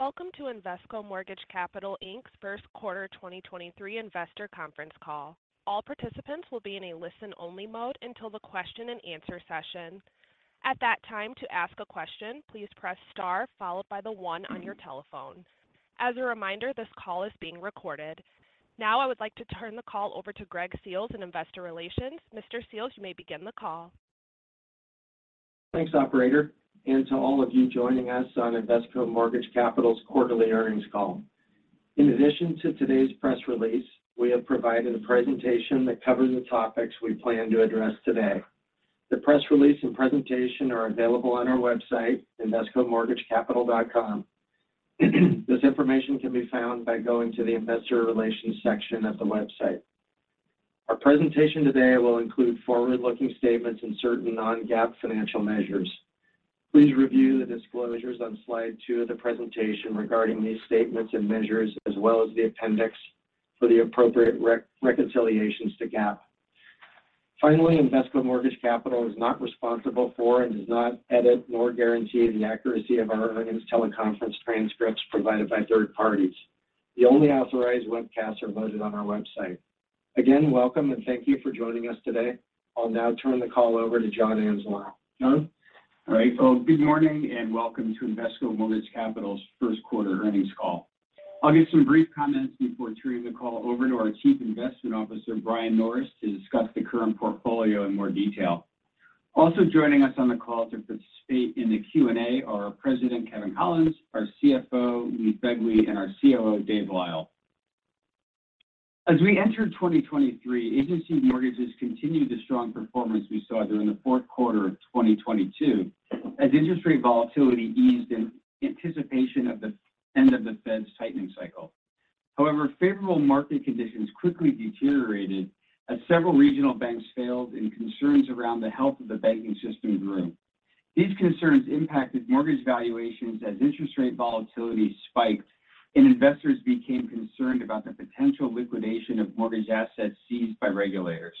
Welcome to Invesco Mortgage Capital Inc.'s first quarter 2023 investor conference call. All participants will be in a listen only mode until the question and answer session. At that time, to ask a question, please press star followed by the one on your telephone. As a reminder, this call is being recorded. I would like to turn the call over to Greg Seals in Investor Relations. Mr. Seals, you may begin the call. Thanks, operator, to all of you joining us on Invesco Mortgage Capital's quarterly earnings call. In addition to today's press release, we have provided a presentation that covers the topics we plan to address today. The press release and presentation are available on our website, invescomortgagecapital.com. This information can be found by going to the Investor Relations section of the website. Our presentation today will include forward-looking statements and certain non-GAAP financial measures. Please review the disclosures on slide 2 of the presentation regarding these statements and measures, as well as the appendix for the appropriate reconciliations to GAAP. Finally, Invesco Mortgage Capital is not responsible for and does not edit nor guarantee the accuracy of our earnings teleconference transcripts provided by third parties. The only authorized webcasts are hosted on our website. Again, welcome and thank you for joining us today. I'll now turn the call over to John Anzalone. John? All right, folks. Good morning, welcome to Invesco Mortgage Capital's first quarter earnings call. I'll give some brief comments before turning the call over to our Chief Investment Officer, Brian Norris, to discuss the current portfolio in more detail. Also joining us on the call to participate in the Q&A are our President, Kevin Collins, our CFO, Lee Phegley, and our COO, Dave Lyle. As we enter 2023, agency mortgages continue the strong performance we saw during the fourth quarter of 2022 as industry volatility eased in anticipation of the end of the Fed's tightening cycle. However, favorable market conditions quickly deteriorated as several regional banks failed and concerns around the health of the banking system grew. These concerns impacted mortgage valuations as interest rate volatility spiked and investors became concerned about the potential liquidation of mortgage assets seized by regulators.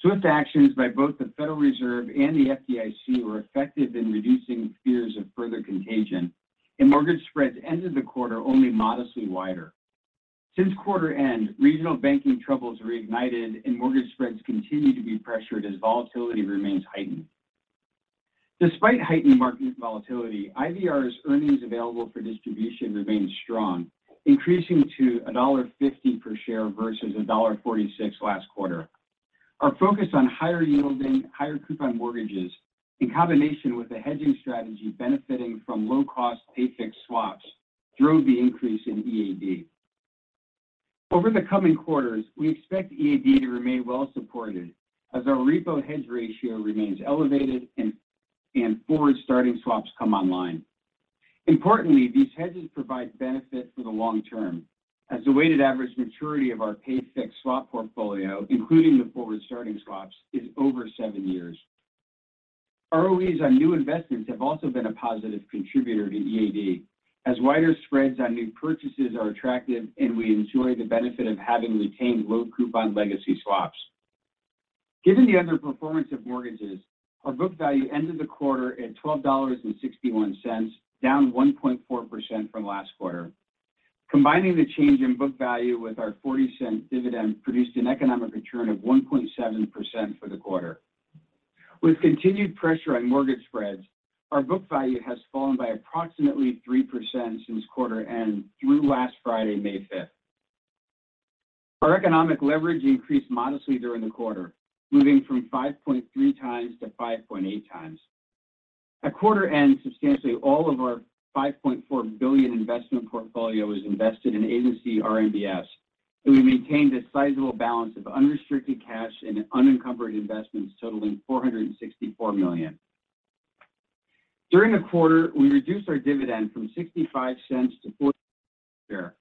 Swift actions by both the Federal Reserve and the FDIC were effective in reducing fears of further contagion, and mortgage spreads ended the quarter only modestly wider. Since quarter end, regional banking troubles reignited and mortgage spreads continue to be pressured as volatility remains heightened. Despite heightened market volatility, IVR's earnings available for distribution remained strong, increasing to $1.50 per share versus $1.46 last quarter. Our focus on higher yielding, higher coupon mortgages in combination with a hedging strategy benefiting from low-cost pay-fixed swaps drove the increase in EAD. Over the coming quarters, we expect EAD to remain well supported as our repo hedge ratio remains elevated and forward-starting swaps come online. Importantly, these hedges provide benefit for the long term as the weighted average maturity of our pay-fixed swap portfolio, including the forward-starting swaps, is over seven years. ROEs on new investments have also been a positive contributor to EAD as wider spreads on new purchases are attractive and we enjoy the benefit of having retained low coupon legacy swaps. Given the underperformance of mortgages, our book value ended the quarter at $12.61, down 1.4% from last quarter. Combining the change in book value with our $0.40 dividend produced an economic return of 1.7% for the quarter. With continued pressure on mortgage spreads, our book value has fallen by approximately 3% since quarter end through last Friday, May fifth. Our economic leverage increased modestly during the quarter, moving from 5.3 times to 5.8 times. At quarter end, substantially all of our $5.4 billion investment portfolio was invested in Agency RMBS. We maintained a sizable balance of unrestricted cash and unencumbered investments totaling $464 million. During the quarter, we reduced our dividend from $0.65 to $0.40 per share.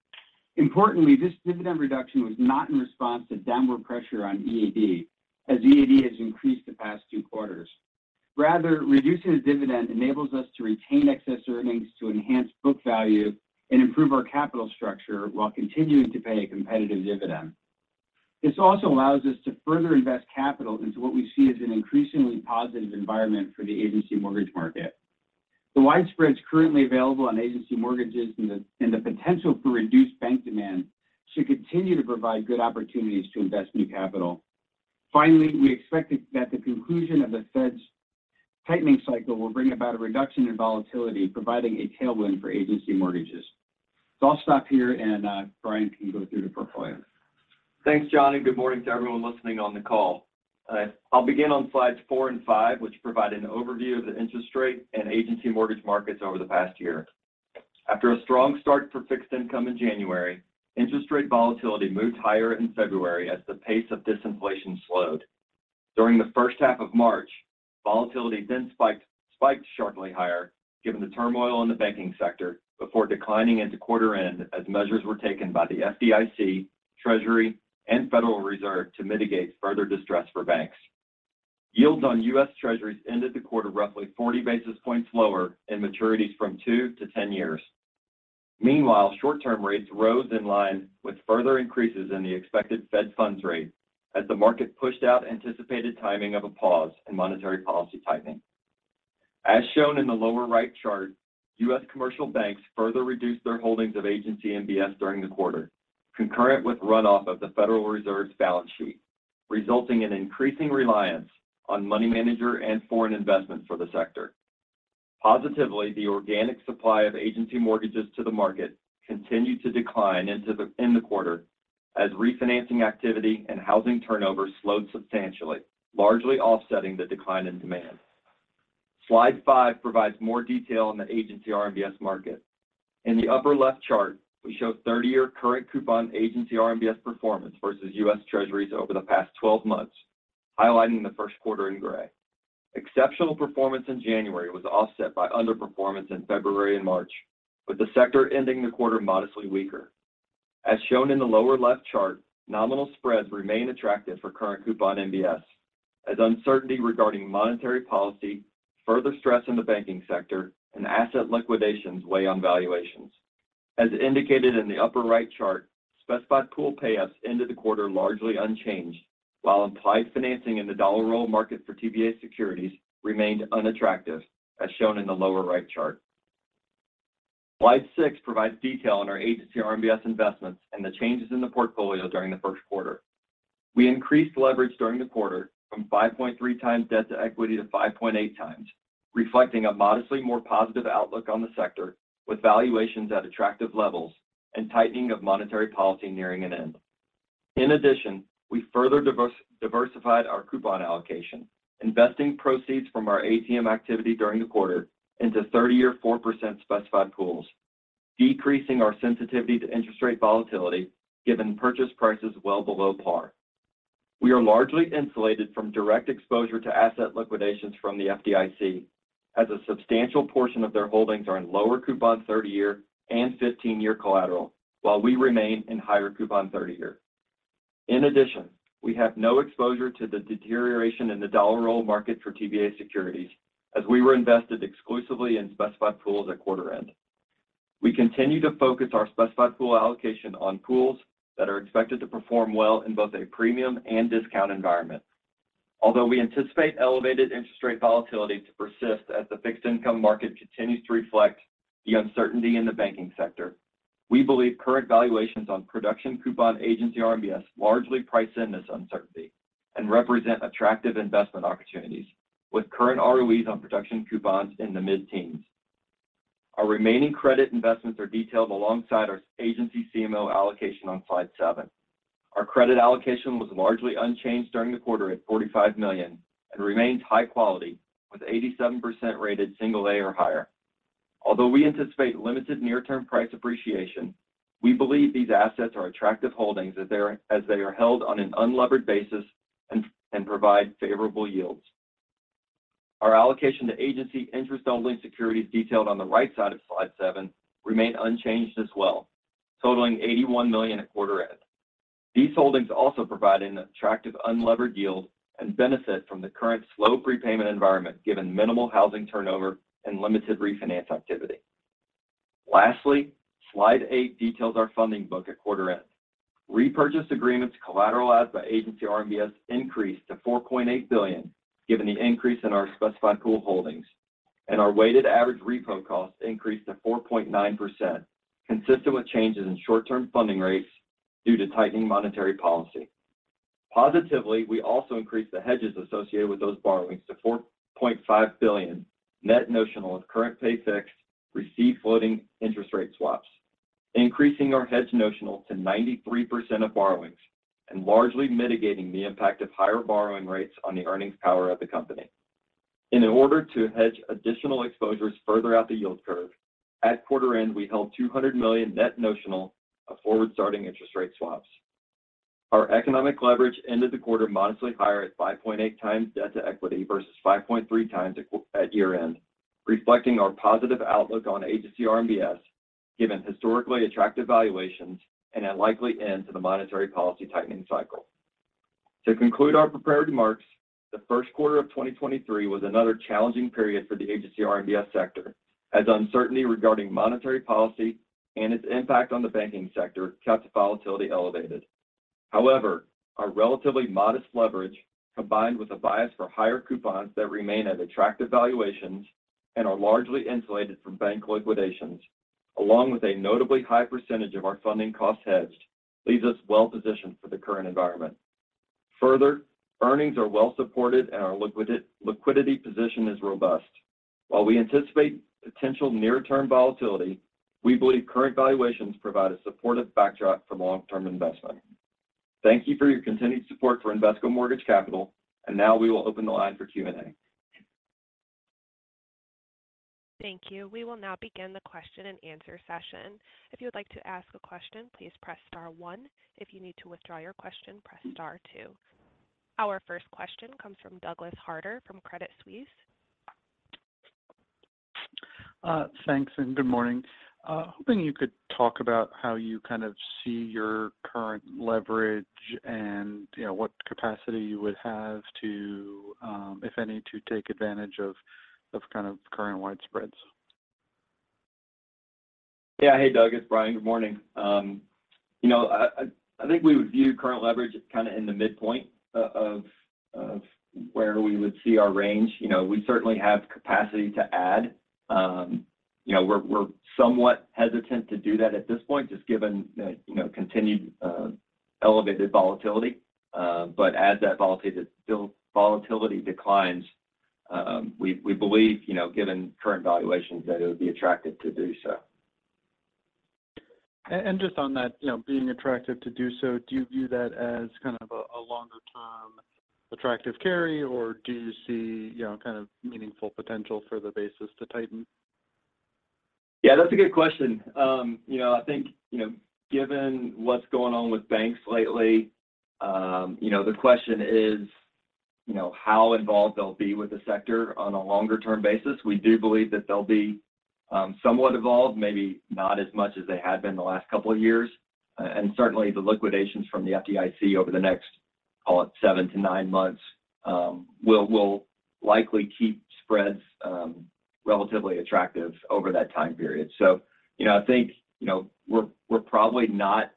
Importantly, this dividend reduction was not in response to downward pressure on EAD, as EAD has increased the past two quarters. Rather, reducing the dividend enables us to retain excess earnings to enhance book value and improve our capital structure while continuing to pay a competitive dividend. This also allows us to further invest capital into what we see as an increasingly positive environment for the agency mortgage market. The wide spreads currently available on agency mortgages and the potential for reduced bank demand should continue to provide good opportunities to invest new capital. Finally, we expect that the conclusion of the Fed's tightening cycle will bring about a reduction in volatility, providing a tailwind for agency mortgages. I'll stop here and Brian can go through the portfolio. Thanks, John, good morning to everyone listening on the call. I'll begin on slides four and five, which provide an overview of the interest rate and agency mortgage markets over the past year. After a strong start for fixed income in January, interest rate volatility moved higher in February as the pace of disinflation slowed. During the first half of March, volatility then spiked sharply higher given the turmoil in the banking sector before declining into quarter end as measures were taken by the FDIC, Treasury, and Federal Reserve to mitigate further distress for banks. Yields on US Treasuries ended the quarter roughly 40 basis points lower in maturities from two to ten years. Meanwhile, short-term rates rose in line with further increases in the expected Fed funds rate as the market pushed out anticipated timing of a pause in monetary policy tightening. As shown in the lower right chart, U.S. commercial banks further reduced their holdings of agency MBS during the quarter, concurrent with runoff of the Federal Reserve's balance sheet, resulting in increasing reliance on money manager and foreign investments for the sector. Positively, the organic supply of agency mortgages to the market continued to decline in the quarter as refinancing activity and housing turnover slowed substantially, largely offsetting the decline in demand. Slide 5 provides more detail on the agency RMBS market. In the upper left chart, we show 30-year current coupon agency RMBS performance versus U.S. Treasuries over the past 12 months, highlighting the first quarter in gray. Exceptional performance in January was offset by underperformance in February and March, with the sector ending the quarter modestly weaker. As shown in the lower left chart, nominal spreads remain attractive for current coupon MBS as uncertainty regarding monetary policy, further stress in the banking sector, and asset liquidations weigh on valuations. As indicated in the upper right chart, specified pool payoffs ended the quarter largely unchanged, while implied financing in the dollar roll market for TBA securities remained unattractive, as shown in the lower right chart. Slide 6 provides detail on our Agency RMBS investments and the changes in the portfolio during the first quarter. We increased leverage during the quarter from 5.3 times debt-to-equity to 5.8 times, reflecting a modestly more positive outlook on the sector, with valuations at attractive levels and tightening of monetary policy nearing an end. In addition, we further diversified our coupon allocation, investing proceeds from our ATM activity during the quarter into 30-year 4% specified pools, decreasing our sensitivity to interest rate volatility given purchase prices well below par. We are largely insulated from direct exposure to asset liquidations from the FDIC, as a substantial portion of their holdings are in lower coupon 30-year and 15-year collateral, while we remain in higher coupon 30-year. In addition, we have no exposure to the deterioration in the dollar roll market for TBA securities, as we were invested exclusively in specified pools at quarter end. We continue to focus our specified pool allocation on pools that are expected to perform well in both a premium and discount environment. Although we anticipate elevated interest rate volatility to persist as the fixed income market continues to reflect the uncertainty in the banking sector, we believe current valuations on production coupon Agency RMBS largely price in this uncertainty and represent attractive investment opportunities, with current ROEs on production coupons in the mid-teens. Our remaining credit investments are detailed alongside our agency CMO allocation on slide seven. Our credit allocation was largely unchanged during the quarter at $45 million and remains high quality, with 87% rated single A or higher. Although we anticipate limited near-term price appreciation, we believe these assets are attractive holdings as they are held on an unlevered basis and provide favorable yields. Our allocation to agency interest-only securities detailed on the right side of slide seven remain unchanged as well, totaling $81 million at quarter end. These holdings also provide an attractive unlevered yield and benefit from the current slow prepayment environment given minimal housing turnover and limited refinance activity. Slide 8 details our funding book at quarter-end. Repurchase agreements collateralized by Agency RMBS increased to $4.8 billion given the increase in our specified pool holdings, and our weighted average repo cost increased to 4.9%, consistent with changes in short-term funding rates due to tightening monetary policy. We also increased the hedges associated with those borrowings to $4.5 billion net notional of current pay-fixed, receive-floating interest rate swaps, increasing our hedge notional to 93% of borrowings and largely mitigating the impact of higher borrowing rates on the earnings power of the company. In order to hedge additional exposures further out the yield curve, at quarter end, we held $200 million net notional of forward-starting interest rate swaps. Our economic leverage ended the quarter modestly higher at 5.8 times debt-to-equity versus 5.3 times at year-end, reflecting our positive outlook on Agency RMBS given historically attractive valuations and a likely end to the monetary policy tightening cycle. To conclude our prepared remarks, the first quarter of 2023 was another challenging period for the Agency RMBS sector as uncertainty regarding monetary policy and its impact on the banking sector kept volatility elevated. However, our relatively modest leverage, combined with a bias for higher coupons that remain at attractive valuations and are largely insulated from bank liquidations, along with a notably high percentage of our funding cost hedged, leaves us well positioned for the current environment. Further, earnings are well supported and our liquidity position is robust. While we anticipate potential near-term volatility, we believe current valuations provide a supportive backdrop for long-term investment. Thank you for your continued support for Invesco Mortgage Capital. Now we will open the line for Q&A. Thank you. We will now begin the question-and-answer session. If you would like to ask a question, please press star one. If you need to withdraw your question, press star two. Our first question comes from Douglas Harter from Credit Suisse. Thanks, and good morning. Hoping you could talk about how you kind of see your current leverage and, you know, what capacity you would have to, if any, to take advantage of kind of current wide spreads. Yeah. Hey, Doug, it's Brian. Good morning. You know, I think we would view current leverage as kinda in the midpoint of where we would see our range. You know, we certainly have capacity to add. You know, we're somewhat hesitant to do that at this point, just given that, you know, continued elevated volatility. As that volatility declines, we believe, you know, given current valuations that it would be attractive to do so. Just on that, you know, being attractive to do so, do you view that as kind of a longer-term attractive carry, or do you see, you know, kind of meaningful potential for the basis to tighten? Yeah, that's a good question. You know, I think, you know, given what's going on with banks lately, you know, the question is, you know, how involved they'll be with the sector on a longer-term basis. We do believe that they'll be somewhat involved, maybe not as much as they have been the last couple of years. Certainly the liquidations from the FDIC over the next, call it seven to nine months, will likely keep spreads relatively attractive over that time period. You know, I think, you know, we're probably not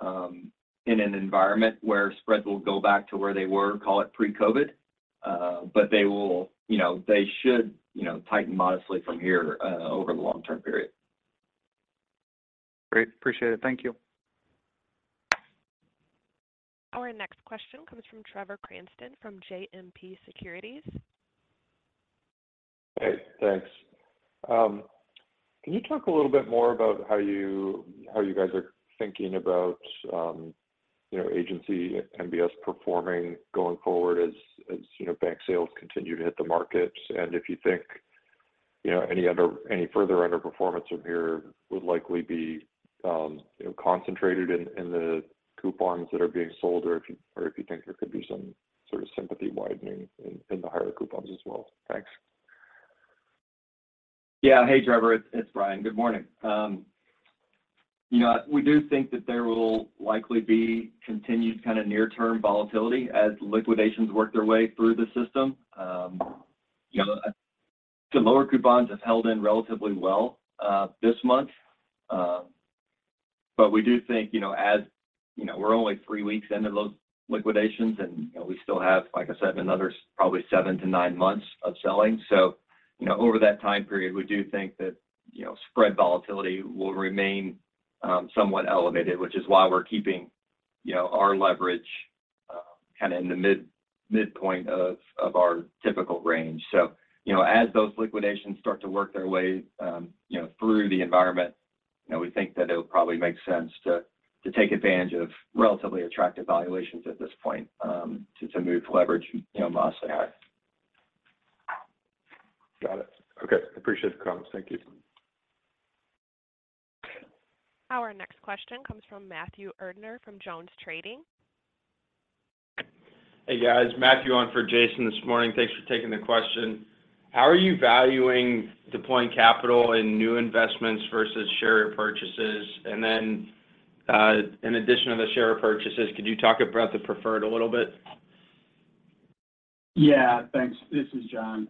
in an environment where spreads will go back to where they were, call it pre-COVID. You know, they should, you know, tighten modestly from here over the long-term period. Great. Appreciate it. Thank you. Our next question comes from Trevor Cranston from JMP Securities. Hey, thanks. Can you talk a little bit more about how you guys are thinking about, you know, agency MBS performing going forward as, you know, bank sales continue to hit the markets? If you think, you know, any further underperformance from here would likely be, you know, concentrated in the coupons that are being sold, or if you think there could be some sort of sympathy widening in the higher coupons as well. Thanks. Hey, Trevor. It's Brian. Good morning. You know, we do think that there will likely be continued kinda near-term volatility as liquidations work their way through the system. You know, the lower coupons have held in relatively well this month. We do think, you know, as, you know, we're only 3 weeks into those liquidations, and, you know, we still have, like I said, another probably 7-9 months of selling. Over that time period, we do think that, you know, spread volatility will remain somewhat elevated, which is why we're keeping, you know, our leverage, kinda in the midpoint of our typical range. you know, as those liquidations start to work their way, you know, through the environment, you know, we think that it would probably make sense to take advantage of relatively attractive valuations at this point, to move leverage, you know, modestly higher. Got it. Okay. Appreciate the comments. Thank you. Our next question comes from Matthew Erdner from JonesTrading. Hey, guys. Matthew on for Jason this morning. Thanks for taking the question. How are you valuing deploying capital in new investments versus share purchases? In addition to the share purchases, could you talk about the preferred a little bit? Yeah. Thanks. This is John.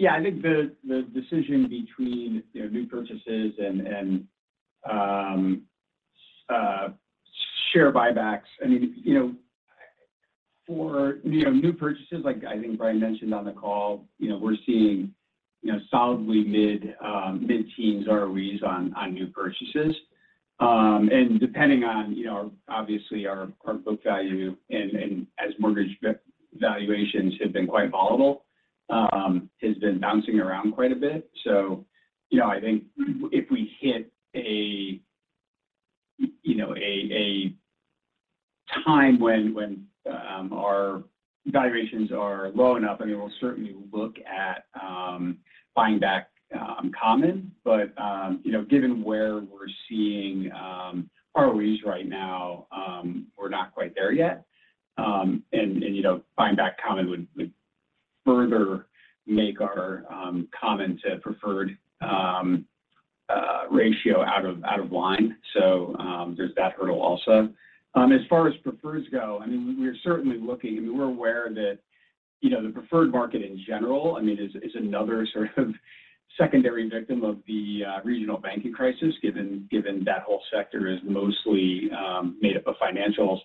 Yeah, I think the decision between, you know, new purchases and share buybacks. I mean, you know, for, you know, new purchases, like I think Brian mentioned on the call, you know, we're seeing, you know, solidly mid mid-teens ROEs on new purchases. And depending on, you know, obviously our book value and as mortgage valuations have been quite volatile, has been bouncing around quite a bit. You know, I think if we hit a, you know, a time when our valuations are low enough, I mean, we'll certainly look at buying back common. You know, given where we're seeing ROEs right now, we're not quite there yet. You know, buying back common would further make our common to preferred ratio out of line. There's that hurdle also. As far as preferreds go, I mean, we're certainly looking. We're aware that, you know, the preferred market in general, I mean, is another sort of secondary victim of the regional banking crisis, given that whole sector is mostly made up of financials.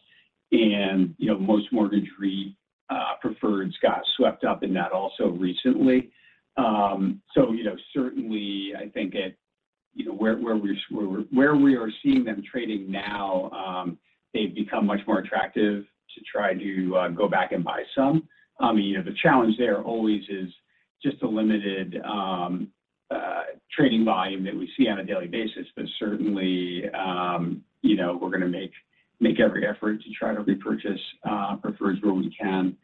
You know, most mortgage REIT preferreds got swept up in that also recently. You know, certainly I think at, you know, where we are seeing them trading now, they've become much more attractive to try to go back and buy some. You know, the challenge there always is just the limited trading volume that we see on a daily basis. Certainly, you know, we're gonna make every effort to try to repurchase preferreds where we can.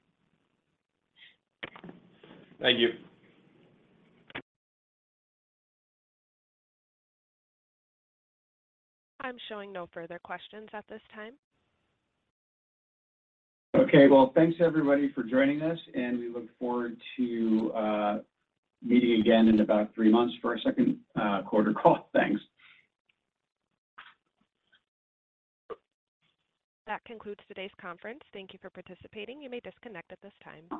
Thank you. I'm showing no further questions at this time. Okay. Well, thanks everybody for joining us. We look forward to meeting again in about three months for our second quarter call. Thanks. That concludes today's conference. Thank you for participating. You may disconnect at this time.